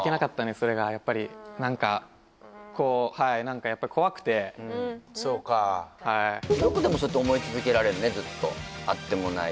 それがやっぱり何かこうはい何かやっぱうんそうかはいよくでもそうやって思い続けられるねずっと会ってもない